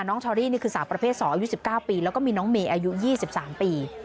ชอรี่นี่คือสาวประเภท๒อายุ๑๙ปีแล้วก็มีน้องเมย์อายุ๒๓ปี